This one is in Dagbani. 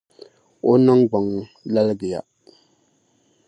O ningbung laligiya.